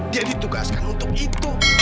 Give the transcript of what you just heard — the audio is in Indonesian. dia ditugaskan untuk itu